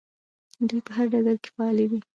دوی په هر ډګر کې فعالې دي.